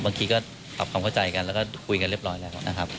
บางทีก็ปรับความเข้าใจกันแล้วก็คุยกันเรียบร้อยแล้วนะครับ